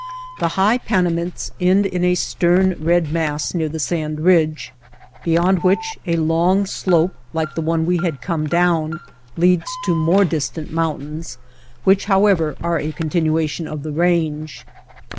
The high Pana mints end in a stern red mass near the sand ridge, beyond which a long slope like the one we had come down leads to more distant mountains which, however, are a continuation of the range.